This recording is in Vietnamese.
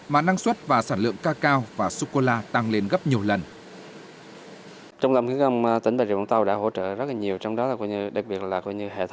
mà năng suất và sản lượng ca cao và sô cô la tăng lên gấp nhiều lần